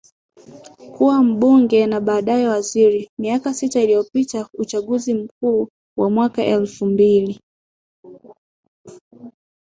kuwa mbunge na baadaye waziri miaka sita iliyopitaUchaguzi Mkuu wa mwaka elfu mbili